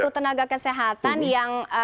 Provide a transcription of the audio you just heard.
tenaga kesehatan yang